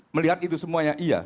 melihat itu semuanya iya